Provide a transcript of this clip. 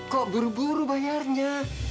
kok buru buru bayarnya